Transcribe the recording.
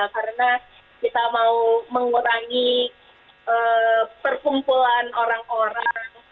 karena kita mau mengurangi perkumpulan orang orang